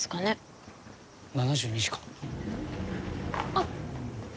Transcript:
あっ。